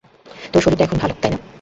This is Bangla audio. তোর শরীরটা এখন ভালো, তাই না?